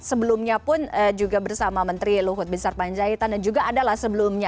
sebelumnya pun juga bersama menteri luhut binsar panjaitan dan juga adalah sebelumnya